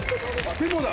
手もだ